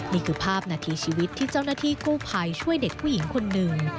นี่คือภาพนาทีชีวิตที่เจ้าหน้าที่กู้ภัยช่วยเด็กผู้หญิงคนหนึ่ง